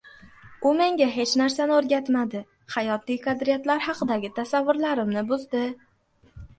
U menga hech narsani o‘rgatmadi, hayotiy qadriyatlar haqidagi tasavvurlarimni buzdi